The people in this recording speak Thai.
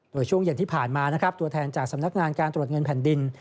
โดยช่วงเย็นที่ผ่านมานะครับตัวแทนจากสำนักงานการตรวจเงินแผ่นดิน